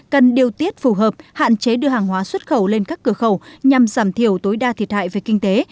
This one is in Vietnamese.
cần điều tiết phù hợp hạn chế đưa hàng hóa xuất khẩu lên các cửa khẩu nhằm giảm thiểu tối đa thiệt hại về kinh tế